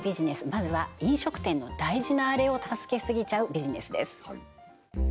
まずは飲食店の大事なアレを助けすぎちゃうビジネスです